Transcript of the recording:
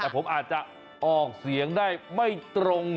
แต่ผมอาจจะออกเสียงได้ไม่ตรง